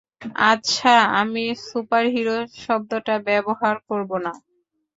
আচ্ছা, আমি সুপারহিরো শব্দটা ব্যবহার করব না।